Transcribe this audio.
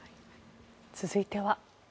続いては。